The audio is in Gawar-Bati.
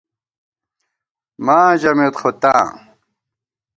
ماں ژَمېت خو تاں